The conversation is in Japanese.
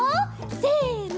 せの。